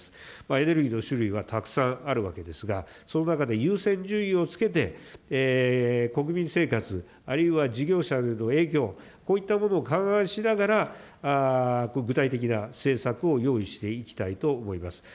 エネルギーの種類はたくさんあるわけですが、その中で優先順位をつけて、国民生活、あるいは事業者への影響、こういったものを勘案しながら、具体的な政策を用意していきたいと思います。